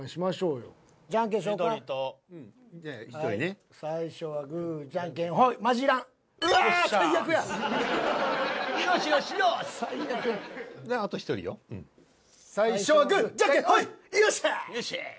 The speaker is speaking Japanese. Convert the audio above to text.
よっしゃ！